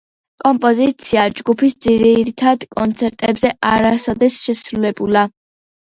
კომპოზიცია ჯგუფის ძირითად კონცერტებზე არასოდეს შესრულებულა.